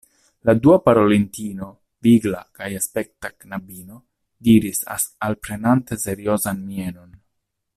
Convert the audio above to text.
La dua parolintino, vigla, gajaspekta knabino, diris alprenante seriozan mienon: